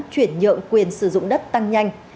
chuyển nhượng quyền sử dụng đất tăng nhanh